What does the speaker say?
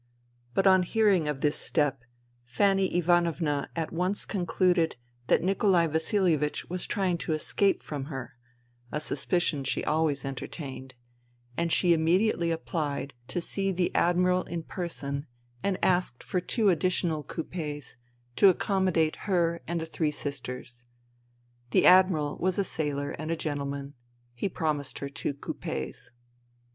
But on hearing of this step, Fanny Ivanovna at once concluded that Nikolai Vasilievich was trying to escape from her — a suspicion she always enter tained — ^and she immediately applied to see the K 14C FUTILITY Admiral in person and asked for two additional coupes, to accommodate her and the three sisters. The Admiral was a sailor and a gentleman. He promised her two coupes.